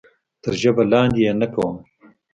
تر ژبه لاندې یې نه کوم.